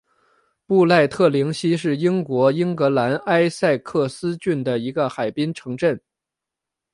布赖特灵西是英国英格兰埃塞克斯郡的一个海滨城镇。